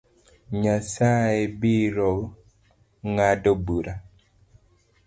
Nyasaye birongado bura